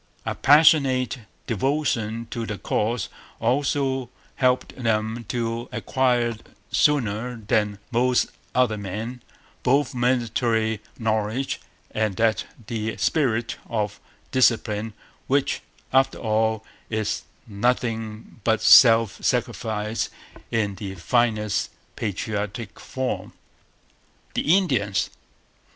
A passionate devotion to the cause also helped them to acquire, sooner than most other men, both military knowledge and that true spirit of discipline which, after all, is nothing but self sacrifice in its finest patriotic form. The Indians.